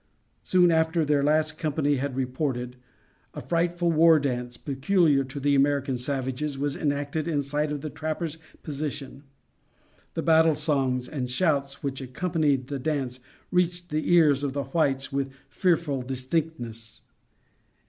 Soon after their last company had reported, the frightful war dance, peculiar to the American savages, was enacted in sight of the trappers' position. The battle songs and shouts which accompanied the dance reached the ears of the whites with fearful distinctness.